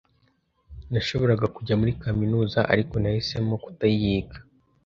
Nashoboraga kujya muri kaminuza, ariko nahisemo kutayiga.